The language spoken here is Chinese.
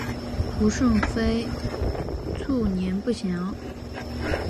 胡顺妃卒年不详。